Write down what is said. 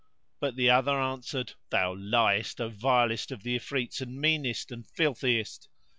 But the other answered, "Thou liest, O vilest of the Ifrits, and meanest and filthiest!"